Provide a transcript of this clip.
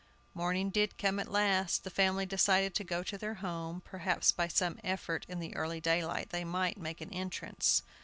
Morning did come at last. The family decided to go to their home; perhaps by some effort in the early daylight they might make an entrance.